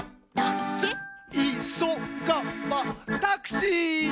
いそがばタクシー！